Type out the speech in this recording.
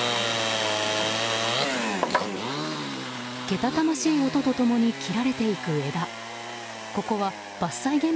けたたましい音と共に切られていく枝。